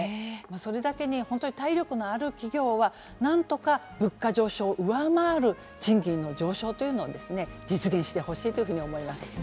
それだけに、本当に体力のある企業は、なんとか物価上昇を上回る賃金の上昇というのを実現してほしいというふうに思います。